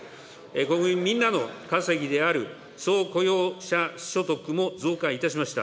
国民みんなの稼ぎである総雇用者所得も増加いたしました。